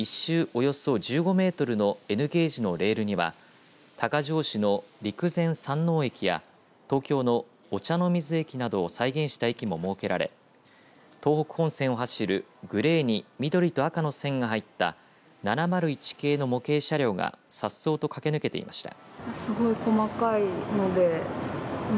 およそ１５メートルのＮゲージのレールには多賀城市の陸前山王駅や東京の御茶ノ水駅などを再現した駅も設けられ東北本線を走るグレーに緑と赤の線が入った７０１系の模型車両がさっそうと駆け抜けていました。